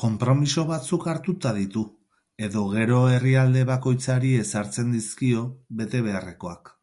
Konpromiso batzuk hartuta ditu edo gero herrialde bakoitzari ezartzen dizkio bete beharrekoak.